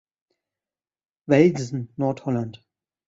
Velsen, Nordholland.